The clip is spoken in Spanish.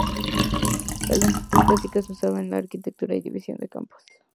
La longitud básica se usaba en arquitectura y división de campos.